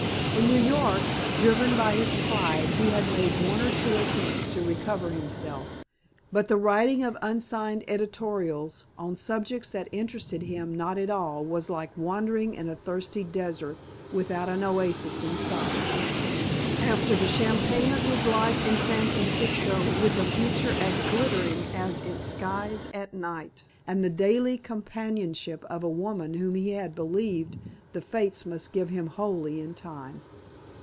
In New York, driven by his pride, he had made one or two attempts to recover himself, but the writing of unsigned editorials on subjects that interested him not at all was like wandering in a thirsty desert without an oasis in sight after the champagne of his life in San Francisco with a future as glittering as its skies at night and the daily companionship of a woman whom he had believed the fates must give him wholly in time.